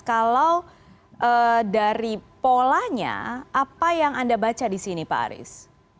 kalau dari polanya apa yang anda baca di sini pak aris